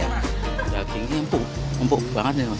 dagingnya empuk empuk banget